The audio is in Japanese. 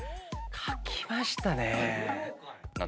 書きましたねぇ。